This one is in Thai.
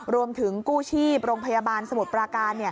รวมถึงกู้ชีพโรงพยาบาลสมุทรประการ